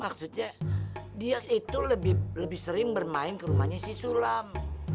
maksudnya dia itu lebih sering bermain ke rumahnya si sulam